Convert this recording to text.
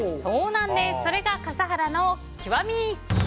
それが笠原の極み。